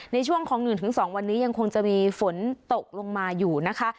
ในช่วงของ๑๒วันนี้ยังคงจะมีฝนตกลงมาอยู่นะคะ